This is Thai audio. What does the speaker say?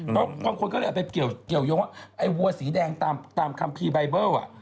เพราะความควรก็เลยเอาไปเกี่ยวเกี่ยวยงว่าไอ้วัวสีแดงตามตามคำพีย์บายเบิ้ลอ่ะ